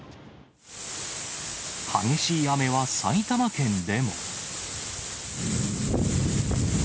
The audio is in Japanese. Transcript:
激しい雨は埼玉県でも。